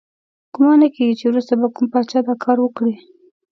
ګمان نه کیږي چې وروسته به کوم پاچا دا کار وکړي.